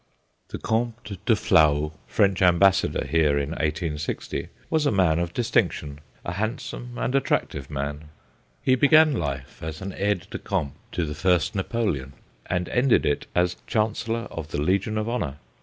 The Comte de Flahault, French Am bassador here in 1860, was a man of distinc tion, a handsome and attractive man. He began life as aide de camp to the first Napoleon, and ended it as Chancellor of the Legion of Honour.